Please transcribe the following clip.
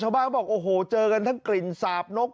ชาวบ้านเขาบอกโอ้โหเจอกันทั้งกลิ่นสาปนก